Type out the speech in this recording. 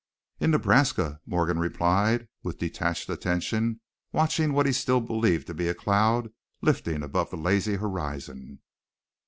"In Nebraska," Morgan replied, with detached attention, watching what he still believed to be a cloud lifting above the hazy horizon.